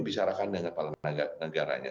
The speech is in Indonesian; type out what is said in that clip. bicarakan dengan para negaranya